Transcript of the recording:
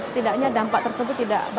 setidaknya dampak tersebut tidak akan terjadi